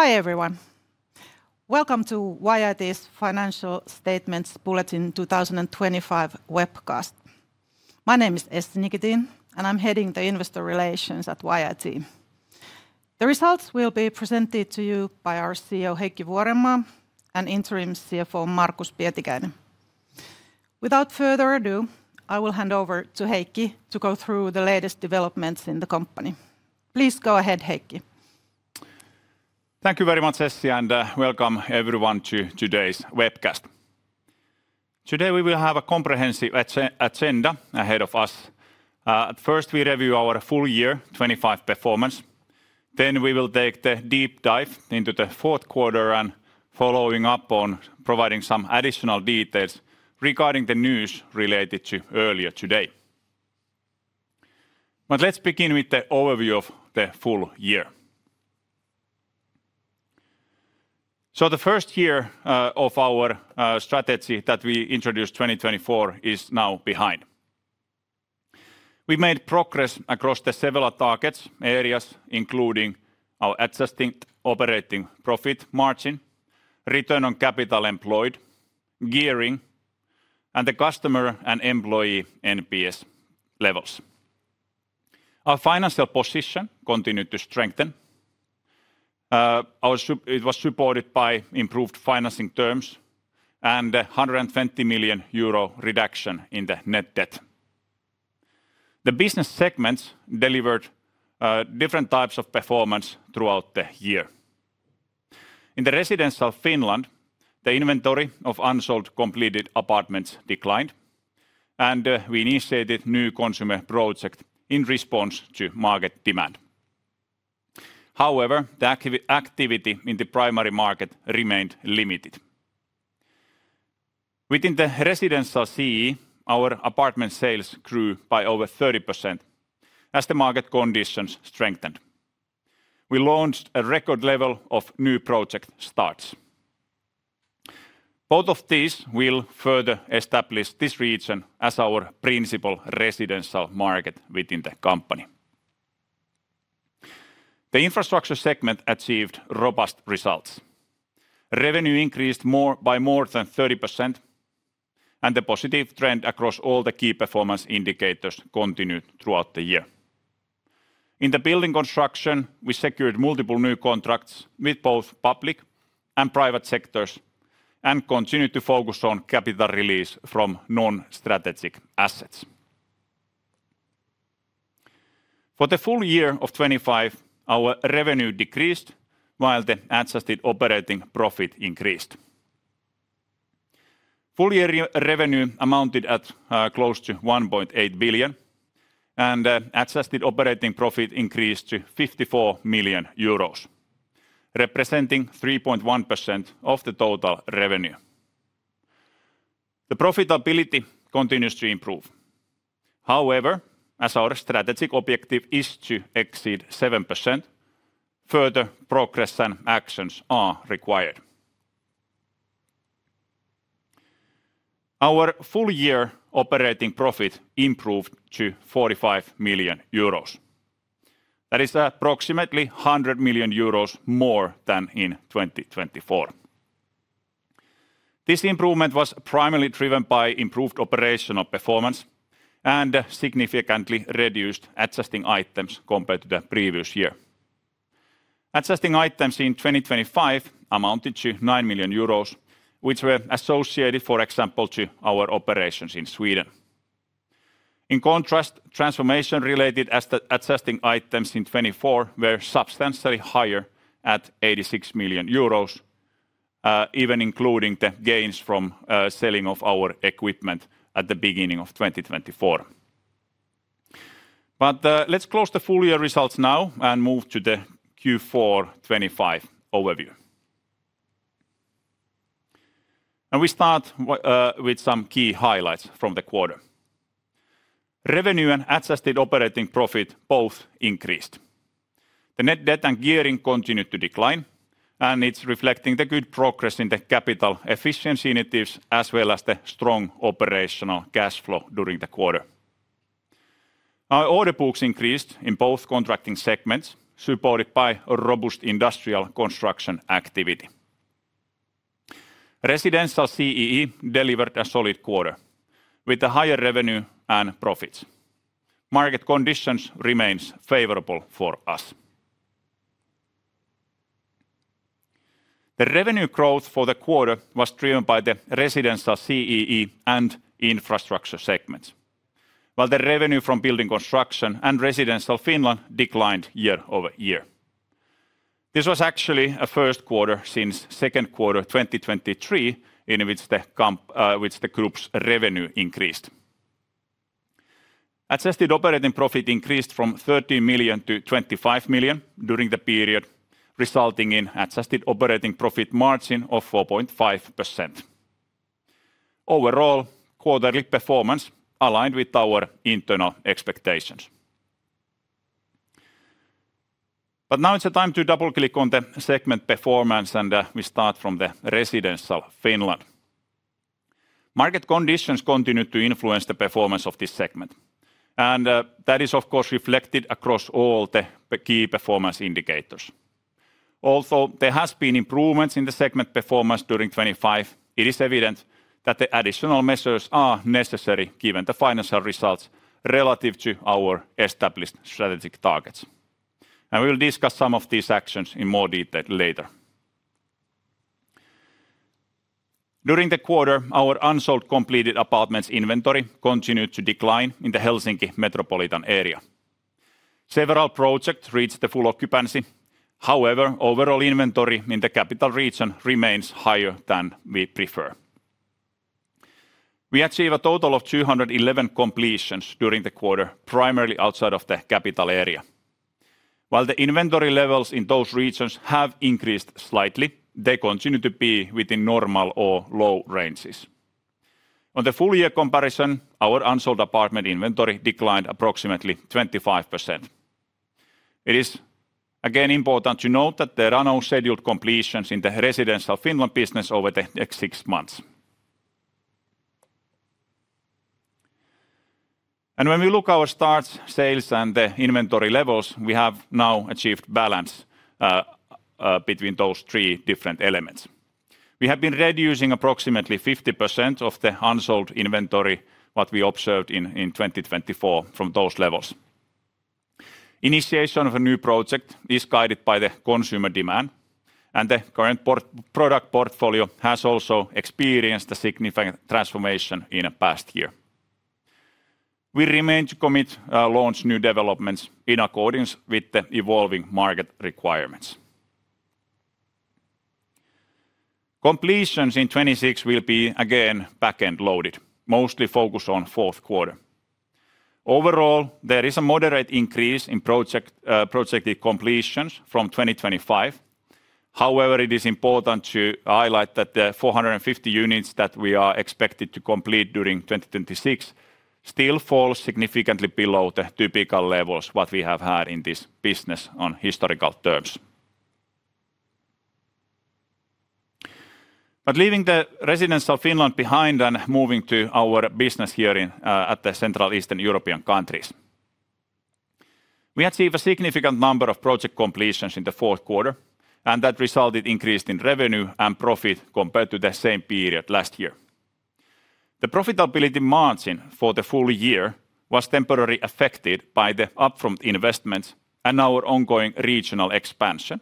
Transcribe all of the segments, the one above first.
Hi everyone. Welcome to YIT's Financial Statements Bulletin 2025 webcast. My name is Essi Nikitin, and I'm heading the Investor Relations at YIT. The results will be presented to you by our CEO Heikki Vuorenmaa and interim CFO Markus Pietikäinen. Without further ado, I will hand over to Heikki to go through the latest developments in the company. Please go ahead, Heikki. Thank you very much, Essi, and welcome everyone to today's webcast. Today we will have a comprehensive agenda ahead of us. First, we review our full year 2025 performance. Then we will take the deep dive into the fourth quarter and following up on providing some additional details regarding the news related to earlier today. But let's begin with the overview of the full year. So the first year of our strategy that we introduced 2024 is now behind. We made progress across the several target areas including our adjusted operating profit margin, return on capital employed, gearing, and the customer and employee NPS levels. Our financial position continued to strengthen. It was supported by improved financing terms and a 120 million euro reduction in the net debt. The business segments delivered different types of performance throughout the year. In Residential Finland, the inventory of unsold completed apartments declined, and we initiated new consumer projects in response to market demand. However, the activity in the primary market remained limited. Within Residential CEE, our apartment sales grew by over 30% as the market conditions strengthened. We launched a record level of new project starts. Both of these will further establish this region as our principal residential market within the company. The infrastructure segment achieved robust results. Revenue increased by more than 30%, and the positive trend across all the key performance indicators continued throughout the year. In building construction, we secured multiple new contracts with both public and private sectors and continued to focus on capital release from non-strategic assets. For the full year of 2025, our revenue decreased while the adjusted operating profit increased. Full year revenue amounted at close to 1.8 billion, and the adjusted operating profit increased to 54 million euros, representing 3.1% of the total revenue. The profitability continues to improve. However, as our strategic objective is to exceed 7%, further progress and actions are required. Our full year operating profit improved to 45 million euros. That is approximately 100 million euros more than in 2024. This improvement was primarily driven by improved operational performance and significantly reduced adjusting items compared to the previous year. Adjusting items in 2025 amounted to 9 million euros, which were associated, for example, to our operations in Sweden. In contrast, transformation-related adjusting items in 2024 were substantially higher at 86 million euros, even including the gains from selling of our equipment at the beginning of 2024. But let's close the full year results now and move to the Q4 2025 overview. We start with some key highlights from the quarter. Revenue and adjusted operating profit both increased. The net debt and gearing continued to decline, and it's reflecting the good progress in the capital efficiency initiatives as well as the strong operational cash flow during the quarter. Our order books increased in both contracting segments, supported by robust industrial construction activity. Residential CEE delivered a solid quarter with a higher revenue and profits. Market conditions remain favorable for us. The revenue growth for the quarter was driven by the Residential CEE and infrastructure segments, while the revenue from building construction and Residential Finland declined year-over-year. This was actually a first quarter since second quarter 2023, in which the group's revenue increased. Adjusted operating profit increased from 13 million to 25 million during the period, resulting in an adjusted operating profit margin of 4.5%. Overall, quarterly performance aligned with our internal expectations. But now it's a time to double-click on the segment performance, and we start from the Residential Finland. Market conditions continued to influence the performance of this segment, and that is, of course, reflected across all the key performance indicators. Although there have been improvements in the segment performance during 2025, it is evident that the additional measures are necessary given the financial results relative to our established strategic targets. We will discuss some of these actions in more detail later. During the quarter, our unsold completed apartments inventory continued to decline in the Helsinki metropolitan area. Several projects reached the full occupancy. However, overall inventory in the capital region remains higher than we prefer. We achieved a total of 211 completions during the quarter, primarily outside of the capital area. While the inventory levels in those regions have increased slightly, they continue to be within normal or low ranges. On the full year comparison, our unsold apartment inventory declined approximately 25%. It is again important to note that there are no scheduled completions in the Residential Finland business over the next six months. When we look at our start sales and the inventory levels, we have now achieved balance between those three different elements. We have been reducing approximately 50% of the unsold inventory that we observed in 2024 from those levels. Initiation of a new project is guided by the consumer demand, and the current product portfolio has also experienced a significant transformation in the past year. We remain to commit to launching new developments in accordance with the evolving market requirements. Completions in 2026 will be again back-end loaded, mostly focused on the fourth quarter. Overall, there is a moderate increase in projected completions from 2025. However, it is important to highlight that the 450 units that we are expected to complete during 2026 still fall significantly below the typical levels that we have had in this business on historical terms. But leaving the Residential Finland behind and moving to our business here at the Central Eastern European countries, we achieved a significant number of project completions in the fourth quarter, and that resulted in an increase in revenue and profit compared to the same period last year. The profitability margin for the full year was temporarily affected by the upfront investments and our ongoing regional expansion,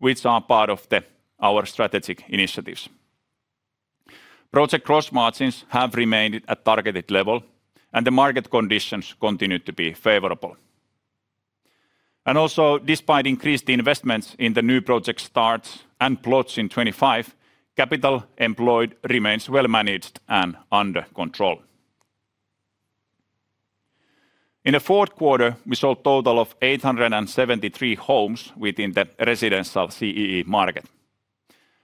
which are part of our strategic initiatives. Project gross margins have remained at a targeted level, and the market conditions continue to be favorable. Also, despite increased investments in the new project starts and plots in 2025, capital employed remains well-managed and under control. In the fourth quarter, we sold a total of 873 homes within the Residential CEE market.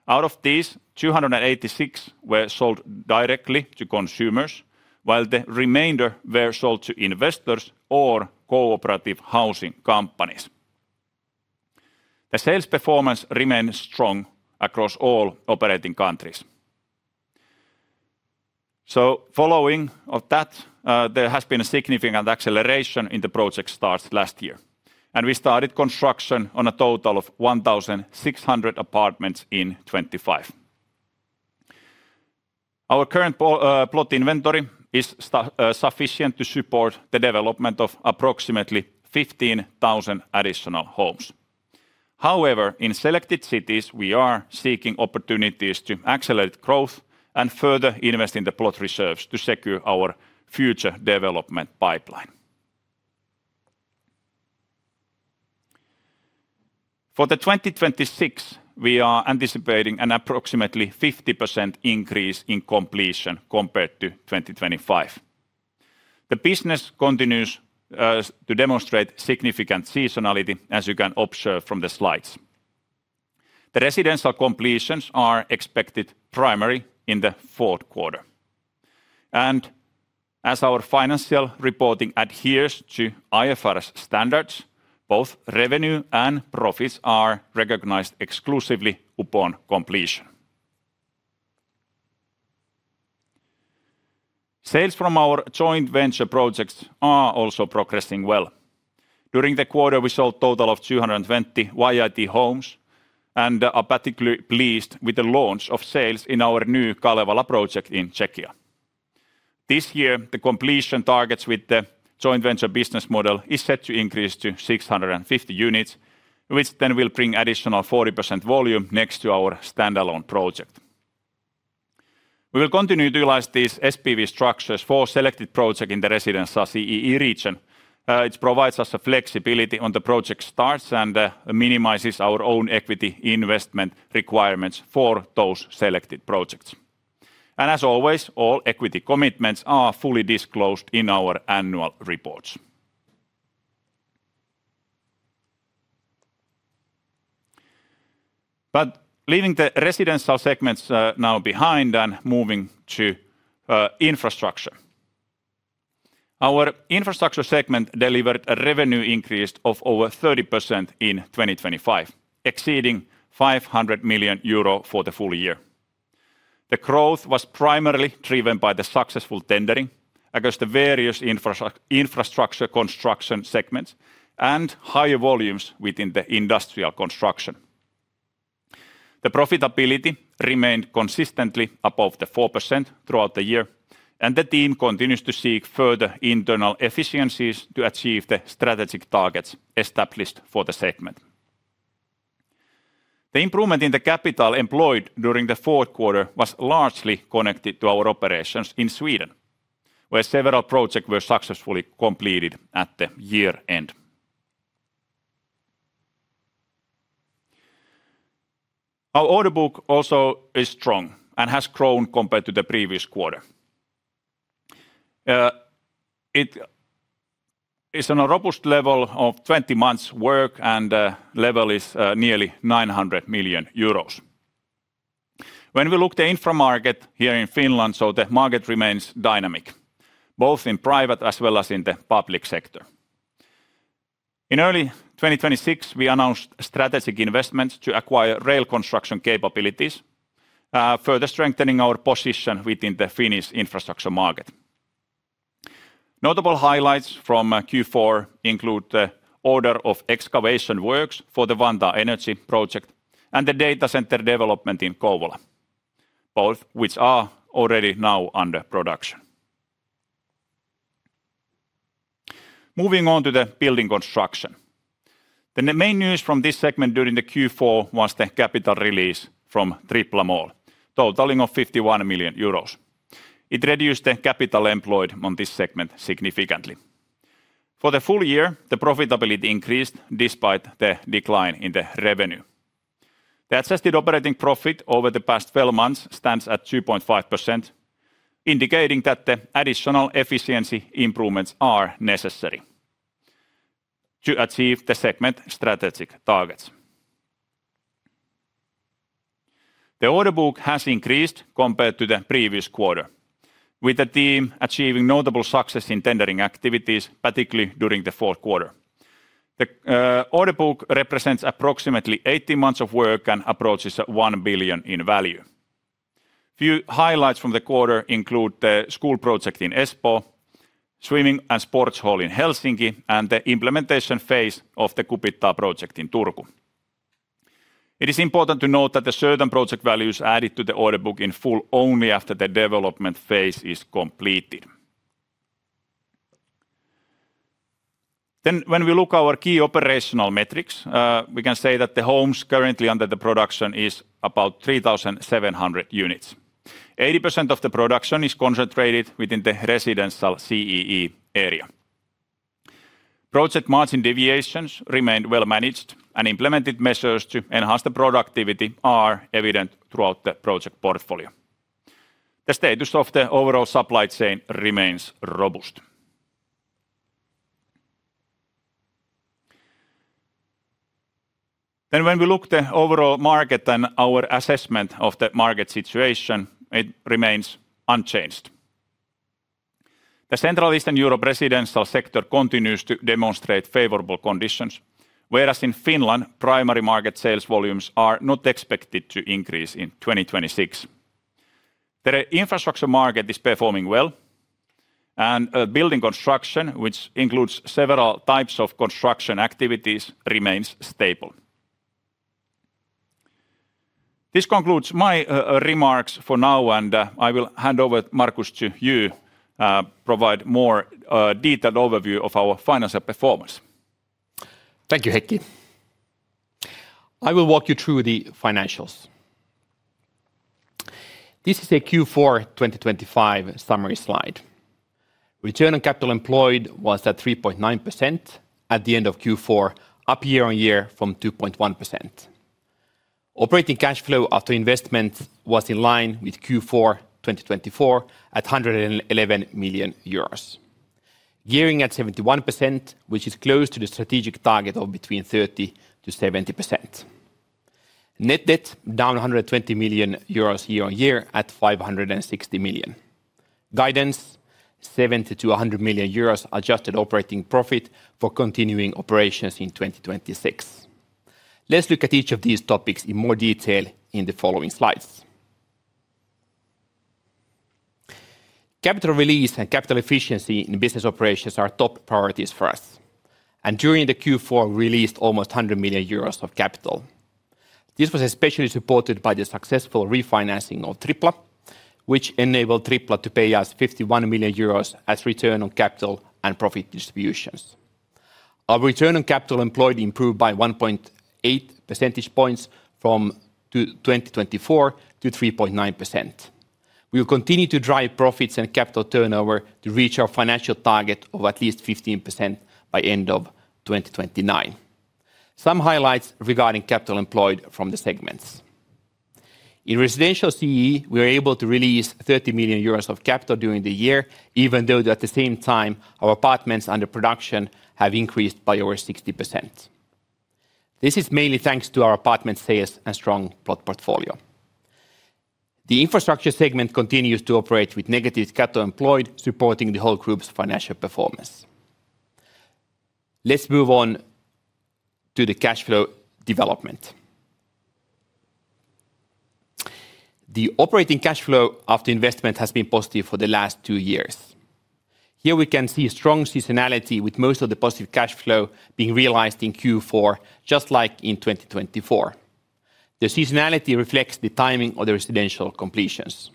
Out of these, 286 were sold directly to consumers, while the remainder were sold to investors or cooperative housing companies. The sales performance remained strong across all operating countries. Following that, there has been a significant acceleration in the project starts last year, and we started construction on a total of 1,600 apartments in 2025. Our current plot inventory is sufficient to support the development of approximately 15,000 additional homes. However, in selected cities, we are seeking opportunities to accelerate growth and further invest in the plot reserves to secure our future development pipeline. For 2026, we are anticipating an approximately 50% increase in completion compared to 2025. The business continues to demonstrate significant seasonality, as you can observe from the slides. The residential completions are expected primarily in the fourth quarter. As our financial reporting adheres to IFRS standards, both revenue and profits are recognized exclusively upon completion. Sales from our joint venture projects are also progressing well. During the quarter, we sold a total of 220 YIT Homes and are particularly pleased with the launch of sales in our new Kalevala project in Czechia. This year, the completion targets with the joint venture business model are set to increase to 650 units, which then will bring additional 40% volume next to our standalone project. We will continue to utilize these SPV structures for selected projects in the Residential CEE region. It provides us flexibility on the project starts and minimizes our own equity investment requirements for those selected projects. As always, all equity commitments are fully disclosed in our annual reports. Leaving the residential segments now behind and moving to infrastructure, our infrastructure segment delivered a revenue increase of over 30% in 2025, exceeding 500 million euro for the full year. The growth was primarily driven by the successful tendering across the various infrastructure construction segments and higher volumes within the industrial construction. The profitability remained consistently above the 4% throughout the year, and the team continues to seek further internal efficiencies to achieve the strategic targets established for the segment. The improvement in the capital employed during the fourth quarter was largely connected to our operations in Sweden, where several projects were successfully completed at the year's end. Our order book also is strong and has grown compared to the previous quarter. It is on a robust level of 20 months' work, and the level is nearly 900 million euros. When we look at the infra market here in Finland, the market remains dynamic, both in private as well as in the public sector. In early 2026, we announced strategic investments to acquire rail construction capabilities, further strengthening our position within the Finnish infrastructure market. Notable highlights from Q4 include the order of excavation works for the Vantaa Energy project and the data center development in Kouvola, both which are already now under production. Moving on to the building construction, the main news from this segment during Q4 was the capital release from Tripla Mall, totaling 51 million euros. It reduced the capital employed on this segment significantly. For the full year, the profitability increased despite the decline in the revenue. The adjusted operating profit over the past 12 months stands at 2.5%, indicating that the additional efficiency improvements are necessary to achieve the segment's strategic targets. The order book has increased compared to the previous quarter, with the team achieving notable success in tendering activities, particularly during the fourth quarter. The order book represents approximately 18 months of work and approaches 1 billion in value. A few highlights from the quarter include the school project in Espoo, the swimming and sports hall in Helsinki, and the implementation phase of the Kupittaa project in Turku. It is important to note that certain project values are added to the order book in full only after the development phase is completed. Then, when we look at our key operational metrics, we can say that the homes currently under the production are about 3,700 units. 80% of the production is concentrated within the Residential CEE area. Project margin deviations remain well-managed, and implemented measures to enhance the productivity are evident throughout the project portfolio. The status of the overall supply chain remains robust. Then, when we look at the overall market and our assessment of the market situation, it remains unchanged. The Central Eastern Europe residential sector continues to demonstrate favorable conditions, whereas in Finland, primary market sales volumes are not expected to increase in 2026. The infrastructure market is performing well, and building construction, which includes several types of construction activities, remains stable. This concludes my remarks for now, and I will hand over to Markus to provide a more detailed overview of our financial performance. Thank you, Heikki. I will walk you through the financials. This is a Q4 2025 summary slide. Return on capital employed was at 3.9% at the end of Q4, up year-on-year from 2.1%. Operating cash flow after investment was in line with Q4 2024 at 111 million euros, gearing at 71%, which is close to the strategic target of between 30%-70%. Net debt down 120 million euros year-on-year at 560 million. Guidance: 70 million-100 million euros adjusted operating profit for continuing operations in 2026. Let's look at each of these topics in more detail in the following slides. Capital release and capital efficiency in business operations are top priorities for us, and during Q4, we released almost 100 million euros of capital. This was especially supported by the successful refinancing of Tripla, which enabled Tripla to pay us 51 million euros as return on capital and profit distributions. Our return on capital employed improved by 1.8 percentage points from 2024 to 3.9%. We will continue to drive profits and capital turnover to reach our financial target of at least 15% by the end of 2029. Some highlights regarding capital employed from the segments. In Residential CEE, we were able to release 30 million euros of capital during the year, even though at the same time, our apartments under production have increased by over 60%. This is mainly thanks to our apartment sales and strong plot portfolio. The infrastructure segment continues to operate with negative capital employed, supporting the whole group's financial performance. Let's move on to the cash flow development. The operating cash flow after investment has been positive for the last two years. Here, we can see strong seasonality, with most of the positive cash flow being realized in Q4, just like in 2024. The seasonality reflects the timing of the residential completions.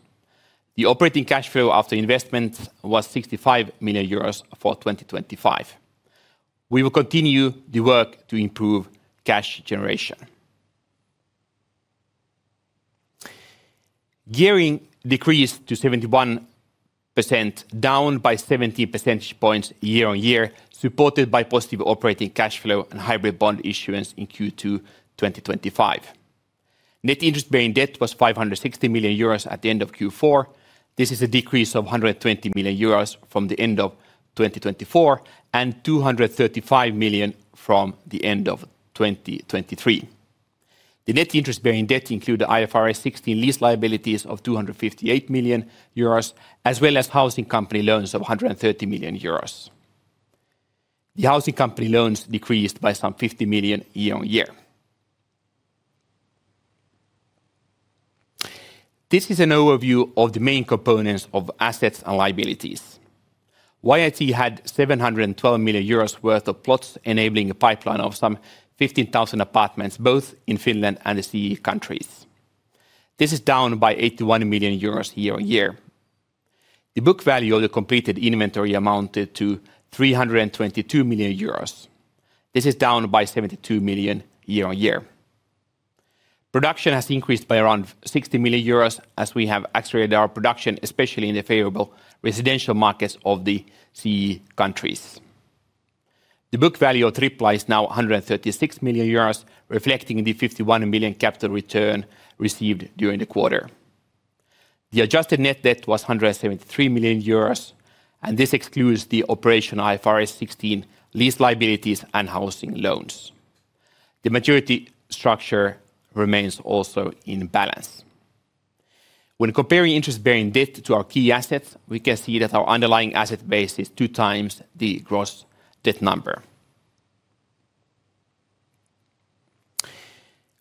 The operating cash flow after investment was 65 million euros for 2025. We will continue the work to improve cash generation. Gearing decreased to 71%, down by 70 percentage points year on year, supported by positive operating cash flow and hybrid bond issuance in Q2 2025. Net interest-bearing debt was 560 million euros at the end of Q4. This is a decrease of 120 million euros from the end of 2024 and 235 million from the end of 2023. The net interest-bearing debt includes the IFRS 16 lease liabilities of 258 million euros, as well as housing company loans of 130 million euros. The housing company loans decreased by some 50 million year on year. This is an overview of the main components of assets and liabilities. YIT had 712 million euros worth of plots, enabling a pipeline of some 15,000 apartments, both in Finland and the CEE countries. This is down by 81 million euros year-over-year. The book value of the completed inventory amounted to 322 million euros. This is down by 72 million year-over-year. Production has increased by around 60 million euros as we have accelerated our production, especially in the favorable residential markets of the CEE countries. The book value of Tripla is now 136 million euros, reflecting the 51 million capital return received during the quarter. The adjusted net debt was 173 million euros, and this excludes the operational IFRS 16 lease liabilities and housing loans. The maturity structure remains also in balance. When comparing interest-bearing debt to our key assets, we can see that our underlying asset base is 2 times the gross debt number.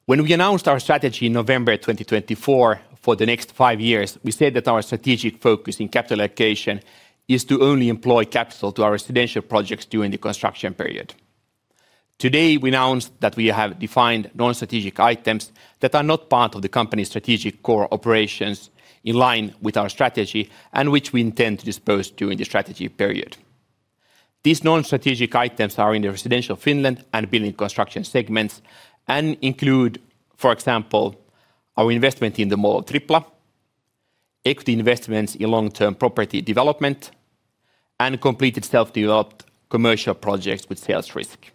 When we announced our strategy in November 2024 for the next five years, we said that our strategic focus in capital allocation is to only employ capital to our residential projects during the construction period. Today, we announced that we have defined non-strategic items that are not part of the company's strategic core operations in line with our strategy and which we intend to dispose of during the strategy period. These non-strategic items are in the Residential Finland and Building Construction segments and include, for example, our investment in the Mall of Tripla, equity investments in long-term property development, and completed self-developed commercial projects with sales risk.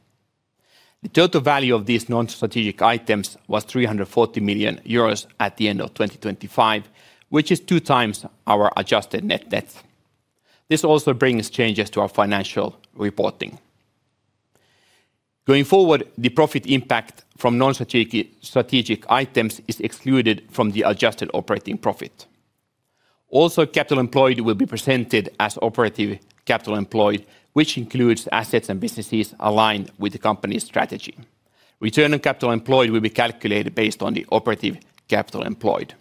The total value of these non-strategic items was 340 million euros at the end of 2025, which is two times our adjusted net debt. This also brings changes to our financial reporting. Going forward, the profit impact from non-strategic items is excluded from the adjusted operating profit. Also, capital employed will be presented as operative capital employed, which includes assets and businesses aligned with the company's strategy. Return on capital employed will be calculated based on the operative capital employed.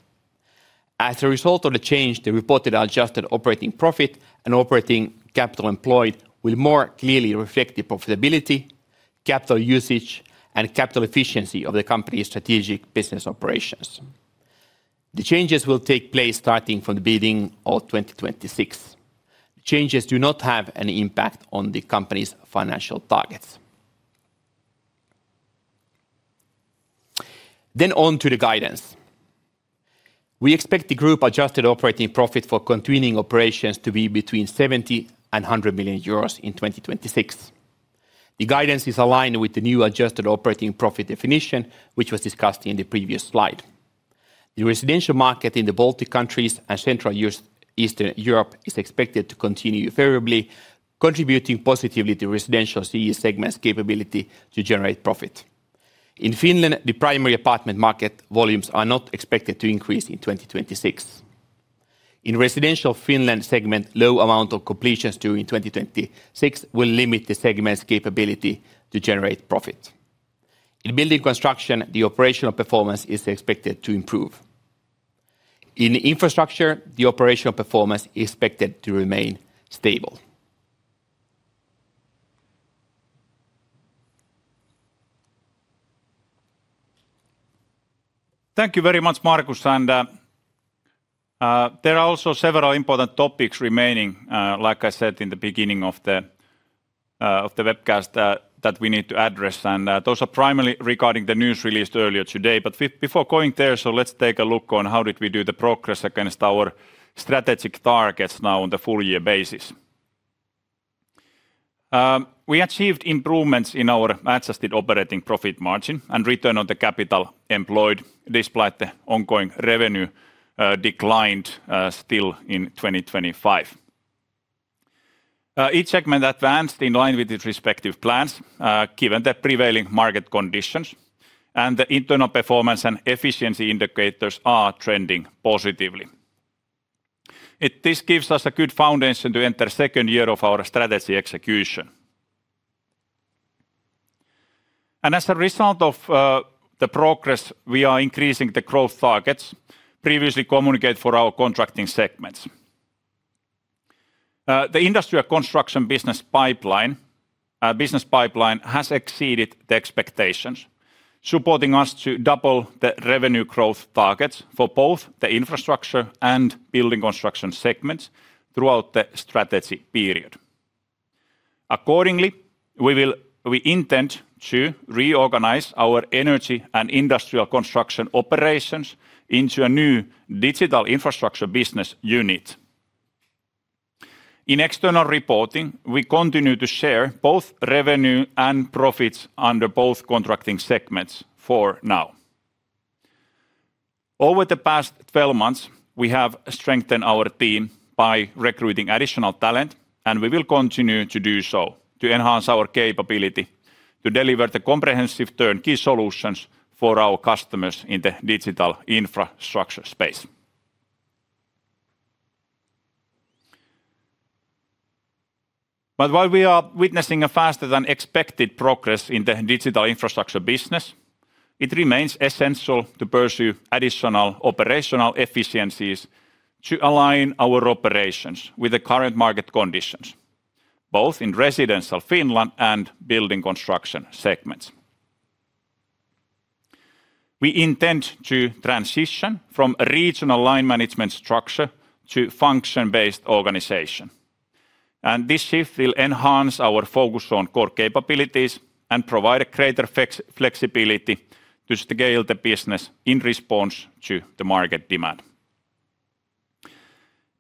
As a result of the change, the reported adjusted operating profit and operative capital employed will more clearly reflect the profitability, capital usage, and capital efficiency of the company's strategic business operations. The changes will take place starting from the beginning of 2026. The changes do not have any impact on the company's financial targets. Then, on to the guidance. We expect the group adjusted operating profit for continuing operations to be between 70 million euros and 100 million euros in 2026. The guidance is aligned with the new adjusted operating profit definition, which was discussed in the previous slide. The residential market in the Baltic countries and Central Eastern Europe is expected to continue favorably, contributing positively to Residential CEE segments' capability to generate profit. In Finland, the primary apartment market volumes are not expected to increase in 2026. In Residential Finland segments, a low amount of completions during 2026 will limit the segment's capability to generate profit. In building construction, the operational performance is expected to improve. In infrastructure, the operational performance is expected to remain stable. Thank you very much, Markus. There are also several important topics remaining, like I said in the beginning of the webcast, that we need to address. Those are primarily regarding the news released earlier today. But before going there, let's take a look at how did we do the progress against our strategic targets now on the full-year basis. We achieved improvements in our adjusted operating profit margin and return on capital employed, despite the ongoing revenue declined still in 2025. Each segment advanced in line with its respective plans, given the prevailing market conditions, and the internal performance and efficiency indicators are trending positively. This gives us a good foundation to enter the second year of our strategy execution. As a result of the progress, we are increasing the growth targets previously communicated for our contracting segments. The industrial construction business pipeline has exceeded the expectations, supporting us to double the revenue growth targets for both the infrastructure and building construction segments throughout the strategy period. Accordingly, we intend to reorganize our energy and industrial construction operations into a new Digital Infrastructure business unit. In external reporting, we continue to share both revenue and profits under both contracting segments for now. Over the past 12 months, we have strengthened our team by recruiting additional talent, and we will continue to do so to enhance our capability to deliver the comprehensive turnkey solutions for our customers in the Digital Infrastructure space. While we are witnessing a faster-than-expected progress in the Digital Infrastructure business, it remains essential to pursue additional operational efficiencies to align our operations with the current market conditions, both in Residential Finland and building construction segments. We intend to transition from a regional line management structure to a function-based organization. This shift will enhance our focus on core capabilities and provide greater flexibility to scale the business in response to the market demand.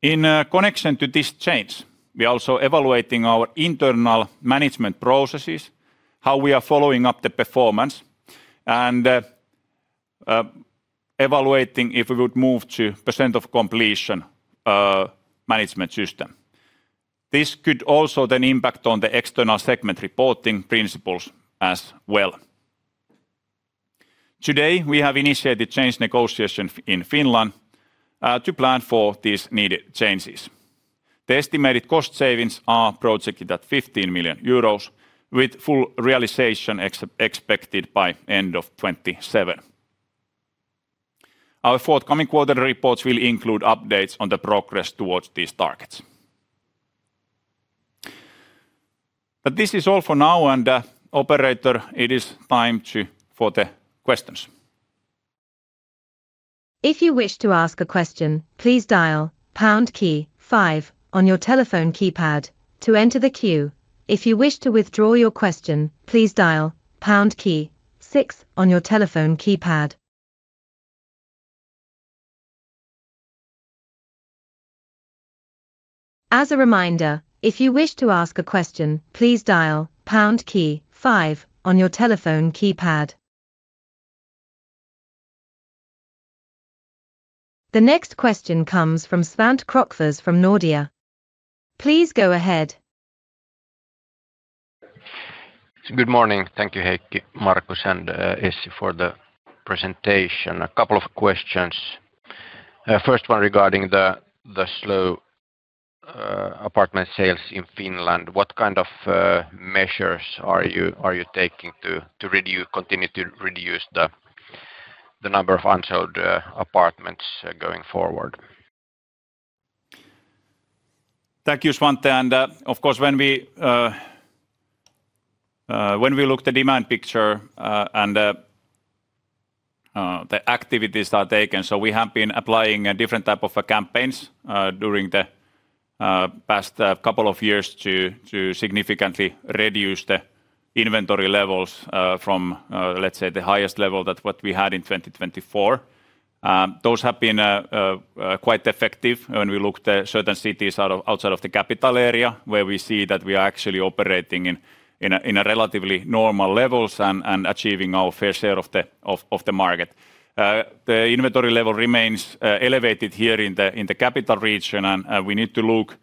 In connection to this change, we are also evaluating our internal management processes, how we are following up the performance, and evaluating if we would move to a percentage of completion management system. This could also then impact on the external segment reporting principles as well. Today, we have initiated change negotiations in Finland to plan for these needed changes. The estimated cost savings are projected at 15 million euros, with full realization expected by the end of 2027. Our forthcoming quarterly reports will include updates on the progress towards these targets. But this is all for now, and operator, it is time for the questions. If you wish to ask a question, please dial pound key five on your telephone keypad to enter the queue. If you wish to withdraw your question, please dial pound key six on your telephone keypad. As a reminder, if you wish to ask a question, please dial pound key five on your telephone keypad. The next question comes from Svante Krokfors from Nordea. Please go ahead. Good morning. Thank you, Heikki, Markus, and Essi for the presentation. A couple of questions. First one regarding the slow apartment sales in Finland. What kind of measures are you taking to continue to reduce the number of unsold apartments going forward? Thank you, Svante. And of course, when we look at the demand picture and the activities that are taken, so we have been applying different types of campaigns during the past couple of years to significantly reduce the inventory levels from, let's say, the highest level that we had in 2024. Those have been quite effective when we look at certain cities outside of the capital area, where we see that we are actually operating in relatively normal levels and achieving our fair share of the market. The inventory level remains elevated here in the capital region, and we need to look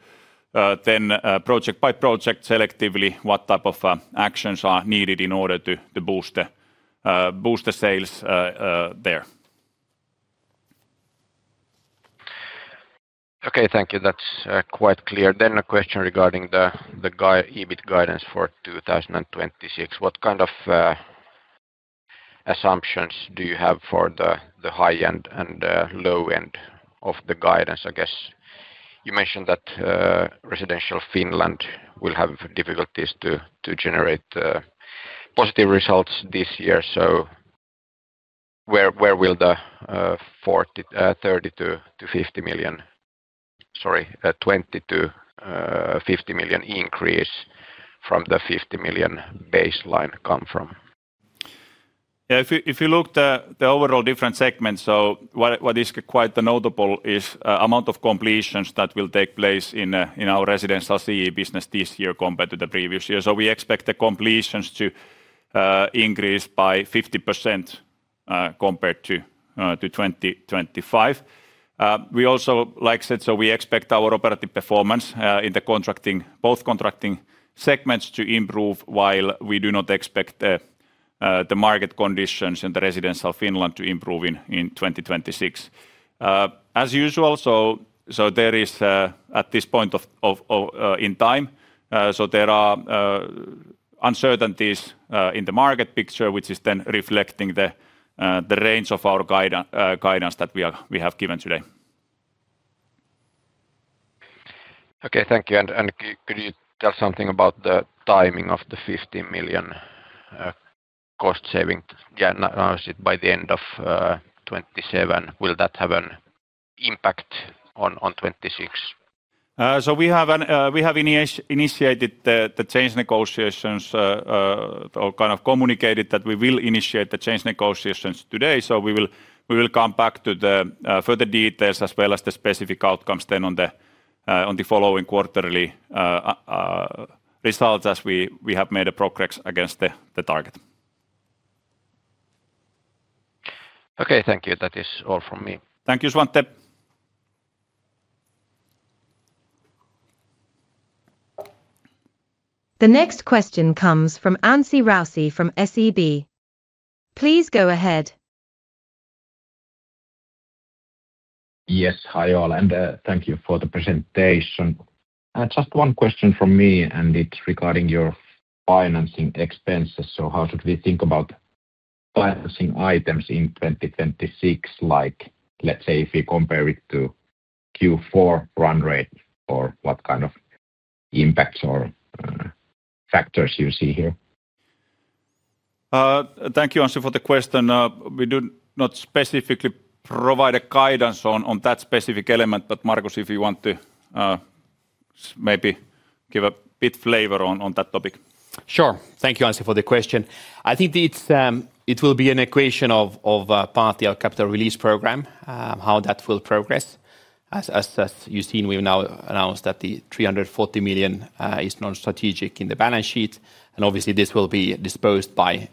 then project by project selectively what type of actions are needed in order to boost the sales there. Okay, thank you. That's quite clear. Then a question regarding the EBIT guidance for 2026. What kind of assumptions do you have for the high end and low end of the guidance? I guess you mentioned that Residential Finland will have difficulties to generate positive results this year. So where will the 20 to 50 million—sorry, 20 million-50 million increase from the 50 million baseline come from? Yeah, if you look at the overall different segments, so what is quite notable is the amount of completions that will take place in our Residential CEE business this year compared to the previous year. So we expect the completions to increase by 50% compared to 2025. We also, like I said, so we expect our operative performance in both contracting segments to improve, while we do not expect the market conditions in Residential Finland to improve in 2026. As usual, so there is, at this point in time, so there are uncertainties in the market picture, which is then reflecting the range of our guidance that we have given today. Okay, thank you. And could you tell something about the timing of the 50 million cost savings? Yeah, now is it by the end of 2027? Will that have an impact on 2026? So we have initiated the change negotiations or kind of communicated that we will initiate the change negotiations today. So we will come back to the further details as well as the specific outcomes then on the following quarterly results as we have made progress against the target. Okay, thank you. That is all from me. Thank you, Svante. The next question comes from Anssi Raussi from SEB. Please go ahead. Yes, hi, all. And thank you for the presentation. Just one question from me, and it's regarding your financing expenses. So how should we think about financing items in 2026? Like, let's say, if we compare it to Q4 run rate or what kind of impacts or factors you see here? Thank you, Anssi, for the question. We do not specifically provide guidance on that specific element. But Markus, if you want to maybe give a bit of flavor on that topic. Sure. Thank you, Anssi, for the question. I think it will be an equation of partly our capital release program, how that will progress. As you've seen, we've now announced that the 340 million is non-strategic in the balance sheet. And obviously, this will be disposed by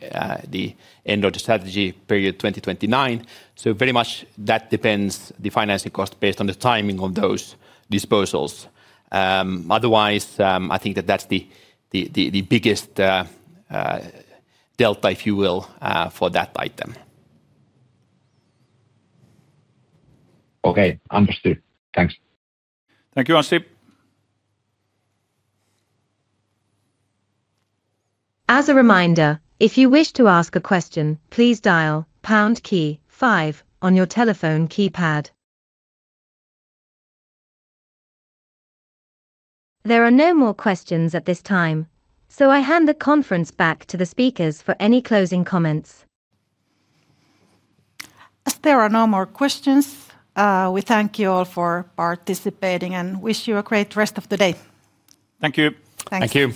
the end of the strategy period 2029. So very much that depends, the financing cost, based on the timing of those disposals. Otherwise, I think that that's the biggest delta, if you will, for that item. Okay, understood. Thanks. Thank you, Anssi. As a reminder, if you wish to ask a question, please dial pound key five on your telephone keypad. There are no more questions at this time, so I hand the conference back to the speakers for any closing comments. As there are no more questions, we thank you all for participating and wish you a great rest of the day. Thank you. Thank you.